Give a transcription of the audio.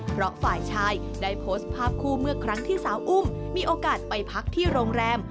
เพราะฝ่ายชายได้โพสต์ภาพคู่เมื่อครั้งที่สาวอุ้มมีโอกาสไปพักที่โรงแรม